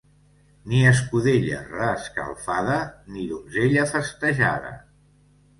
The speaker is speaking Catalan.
Ni escudella reescalfada ni donzella festejada.